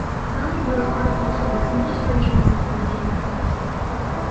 Burman wrote articles for both military journals and the daily press.